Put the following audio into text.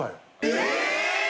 え！